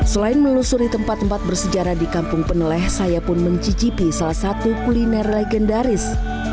selain melusuri tempat tempat bersejarah di kampung peneleh saya pun mencicipi salah satu kuliner legendaris